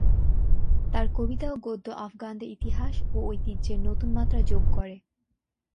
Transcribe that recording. তার কবিতা ও গদ্য আফগানদের ইতিহাস ও ঐতিহ্যে নতুন মাত্রা যোগ করে।